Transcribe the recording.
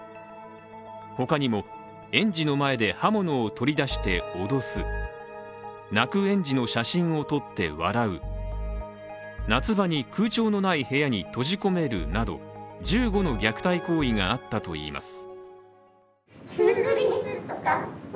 他にも、園児の前で刃物を取り出して脅す泣く園児の写真を撮って笑う夏場に空調のない部屋に閉じ込めるなど１５の虐待行為があったといいます。